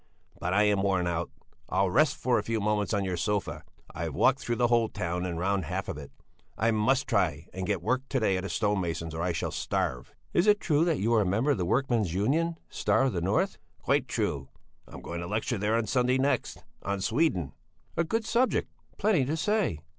But I am worn out; I'll rest for a few moments on your sofa! I've walked through the whole town and round half of it; I must try and get work to day at a stone mason's or I shall starve." "Is it true that you are a member of the Workmen's Union 'Star of the North'?" "Quite true; I'm going to lecture there on Sunday next, on Sweden." "A good subject! Plenty to say!"